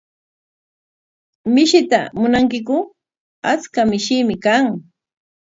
¿Mishita munankiku? Achka mishiimi kan.